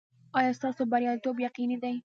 ایا ستاسو بریالیتوب یقیني دی؟